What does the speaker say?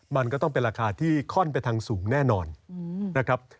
มันก็ต้องเป็นราคาที่ค่อนไปทางสูงแน่นอนนะครับ